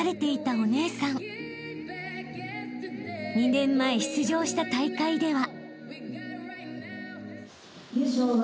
［２年前出場した大会では］